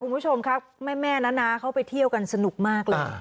คุณผู้ชมครับแม่น้าเขาไปเที่ยวกันสนุกมากเลย